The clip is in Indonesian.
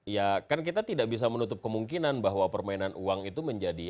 ya kan kita tidak bisa menutup kemungkinan bahwa permainan uang itu menjadi